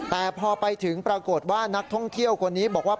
แต่พอไปถึงปรากฏว่านักท่องเที่ยวคนนี้บอกว่า